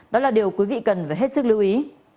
đó là điều quý vị cần phải hết sức lưu ý